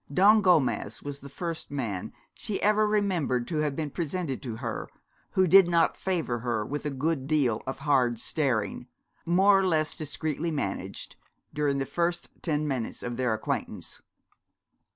Don Gomez was the first man she ever remembered to have been presented to her who did not favour her with a good deal of hard staring, more or less discreetly managed, during the first ten minutes of their acquaintance.